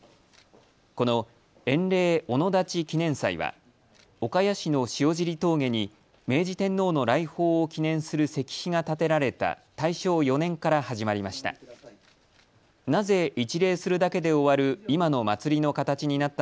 この塩嶺御野立記念祭は岡谷市の塩尻峠に明治天皇の来訪を記念する石碑が建てられた大正４年から始まりました。